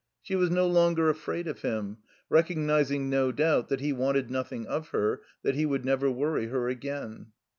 She was no longer afraid of him, recognizing, no doubt, that he wanted nothing of her, that he would never worry her again.